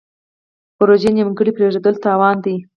پروژې نیمګړې پریښودل تاوان دی.